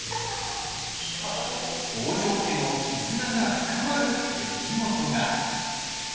北条家の絆が深まる出来事が。